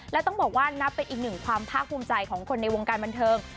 และต้องบอกว่านับเป็นอีกหนึ่งความภาคภูมิใจของคนในวงการบันเทิง